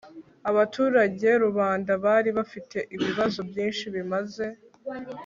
abaturage (rubanda) bari bafite ibibazo byinshi bimaze